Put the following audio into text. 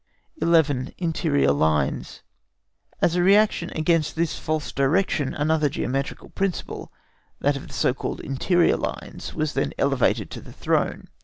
11. INTERIOR LINES. As a reaction against this false direction, another geometrical principle, that of the so called interior lines, was then elevated to the throne.